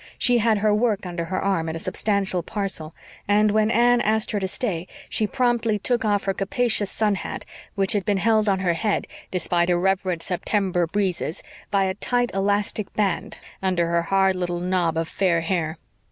She had her work under her arm in a substantial parcel, and when Anne asked her to stay she promptly took off her capacious sun hat, which had been held on her head, despite irreverent September breezes, by a tight elastic band under her hard little knob of fair hair.